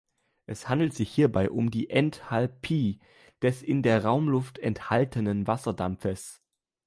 Es handelt sich hierbei um die Enthalpie des in der Raumluft enthaltenen Wasserdampfes.